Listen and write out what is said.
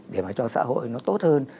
để mà cho xã hội nó tốt hơn